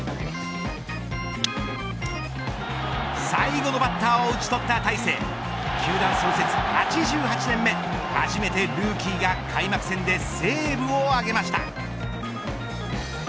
最後のバッターを打ち取った大勢球団創設８８年目初めてルーキーが開幕戦でセーブを挙げました。